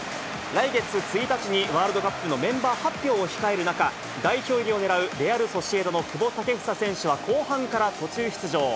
来月１日にワールドカップのメンバー発表を控える中、代表入りをねらうレアル・ソシエダの久保建英選手は後半から途中出場。